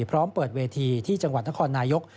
พร้อมเปิดเวทีที่จังหวัดนครนายก